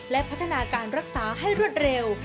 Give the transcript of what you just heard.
และพัฒนาการรักษาให้รวดเร็ว